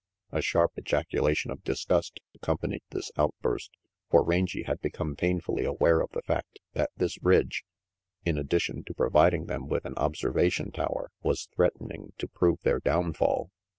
A sharp ejaculation of disgust accompanied this outburst, for Rangy had become painfully aware of the fact that this ridge, in addition to providing them with an observation tower, was threatening to prove their downfall.